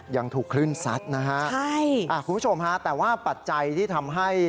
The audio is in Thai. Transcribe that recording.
ยังถูกคลื่นซัดนะฮะใช่อ่าคุณผู้ชมฮะแต่ว่าปัจจัยที่ทำให้